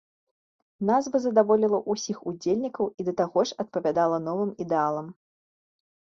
Назва задаволіла ўсіх удзельнікаў і да таго ж адпавядала новым ідэалам.